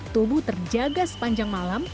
tubuh terjaga sepanjang malam